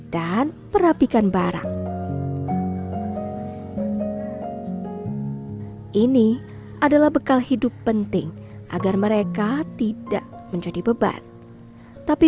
dan perapikan barang ini adalah bekal hidup penting agar mereka tidak menjadi beban tapi